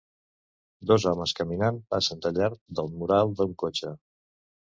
Dos homes caminant passen de llarg del mural d'un cotxe.